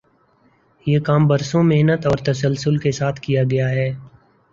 یہ کام برسوں محنت اور تسلسل کے ساتھ کیا گیا ہے۔